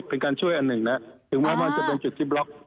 เป็นการช่วยอันหนึ่งนะถึงแม้มันจะเป็นจุดที่บล็อก